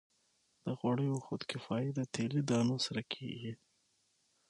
د غوړیو خودکفايي د تیلي دانو سره کیږي.